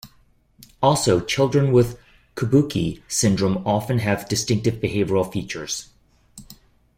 Also, children with Kabuki syndrome often have distinctive behavioral features.